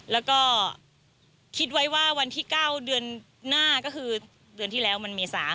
แล้วก็คิดไว้ว่าวันที่๙เดือนหน้าก็คือเดือนที่แล้วมันเมษา